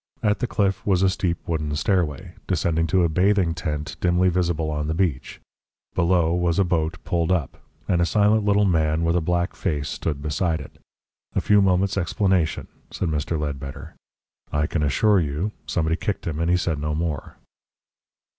At the cliff was a steep wooden stairway, descending to a bathing tent dimly visible on the beach. Below was a boat pulled up, and a silent little man with a black face stood beside it. "A few moments' explanation," said Mr. Ledbetter; "I can assure you " Somebody kicked him, and he said no more.